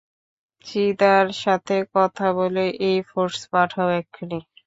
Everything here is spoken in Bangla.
চিদার সাথে কথা বলে একটা ফোর্স পাঠাও এক্ষুনি।